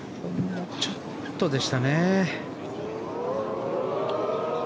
もうちょっとでしたね。